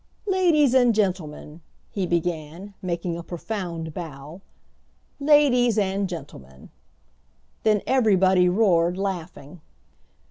"Ladies and gentlemen," he began, making a profound bow, "ladies and gentlemen." Then everybody roared laughing.